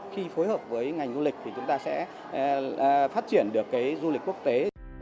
khi phối hợp với ngành du lịch thì chúng ta sẽ phát triển được du lịch quốc tế